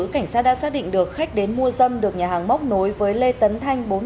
cảnh sát đã xác định được khách đến mua dâm được nhà hàng móc nối với lê tấn thanh